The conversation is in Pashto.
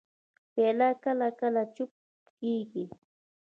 پیاله کله کله چپه کېږي.